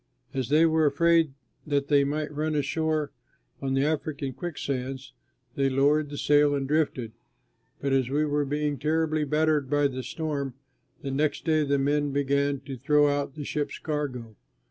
As they were afraid that they might run ashore on the African quicksands, they lowered the sail and drifted. But as we were being terribly battered by the storm, the next day the men began to throw out the ship's cargo.